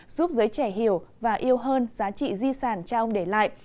giúp giới trẻ hiểu và yêu hơn giá trị di sản cha ông để lại